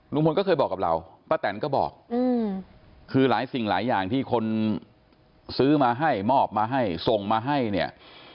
ลุงพลก็เคยบอกกับเราป้าแตนก็บอกคือหลายสิ่งหลายอย่างที่คนซื้อมาให้มอบมาให้ส่งมาให้เนี่ย